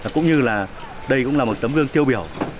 cũng như là đây cũng là một tấm gương tiêu biểu